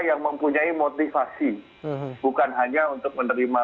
yang mempunyai motivasi bukan hanya untuk menerima